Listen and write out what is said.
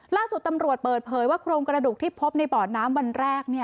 ล่าสุดตำรวจเปิดเผยว่าโครงกระดูกที่พบในบ่อน้ำวันแรก